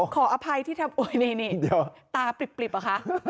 ขออภัยที่ทำโอ๊ยนี่ตาปริบเหรอคะ